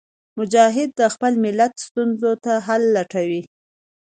مجاهد د خپل ملت ستونزو ته حل لټوي.